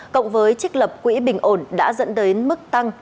cộng với trích lập quỹ bình ổn đã dẫn đến mức tăng